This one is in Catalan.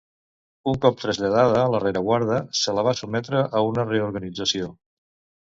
Un cop traslladada a la rereguarda, se la va sotmetre a una reorganització.